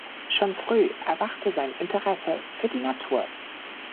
Schon früh erwachte sein Interesse für die Natur.